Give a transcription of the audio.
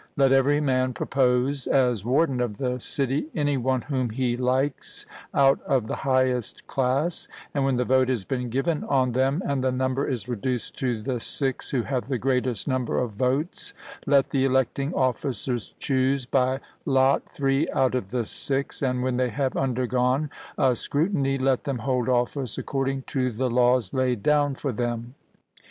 Let every man propose as warden of the city any one whom he likes out of the highest class, and when the vote has been given on them, and the number is reduced to the six who have the greatest number of votes, let the electing officers choose by lot three out of the six, and when they have undergone a scrutiny let them hold office according to the laws laid down for them.